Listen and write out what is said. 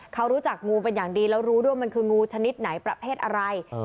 เขารู้จักงูเป็นอย่างดีแล้วรู้ด้วยมันคืองูชนิดไหนประเภทอะไร